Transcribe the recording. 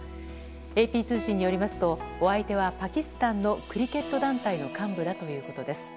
ＡＰ通信によりますとお相手はパキスタンのクリケット団体の幹部だということです。